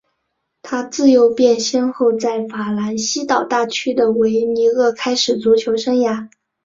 他自幼便先后在法兰西岛大区的维尼厄开始足球生涯。